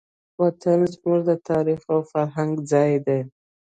وطن زموږ د تاریخ او فرهنګ ځای دی.